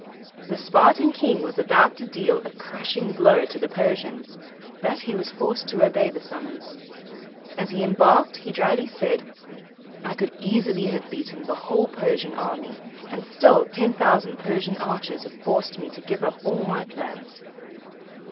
The Spartan king was about to deal a crushing blow to the Persians, but he was forced to obey the summons. As he embarked he dryly said, "I could easily have beaten the whole Persian army, and still ten thousand Persian archers have forced me to give up all my plans."